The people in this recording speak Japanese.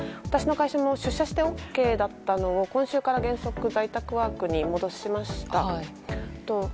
私の会社も出社してＯＫだったのを今秋から原則在宅ワークに戻しました。